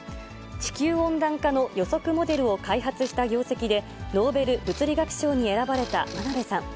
地球温暖化の予測モデルを開発した業績で、ノーベル物理学賞に選ばれた真鍋さん。